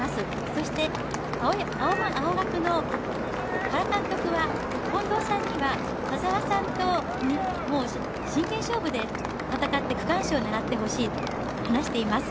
そして、青学の原監督は近藤さんには田澤さんと真剣勝負で戦って区間賞を狙ってほしいと話しています。